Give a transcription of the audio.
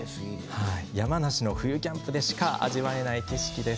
山梨の冬キャンプでしか味わえない景色です。